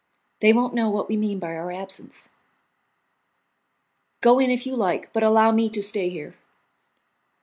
They won't know what we mean by our absence." "Go in, if you like, but allow me to stay here."